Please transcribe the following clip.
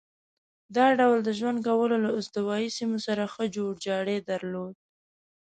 دا ډول د ژوند کولو له استوایي سیمو سره ښه جوړ جاړی درلود.